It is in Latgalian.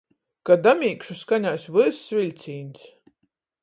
Ka damīgšu, skanēs vyss viļcīņs.